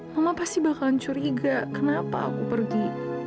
mama pasti bakal curiga kenapa aku pergi